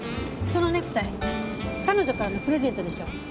そのネクタイ彼女からのプレゼントでしょ？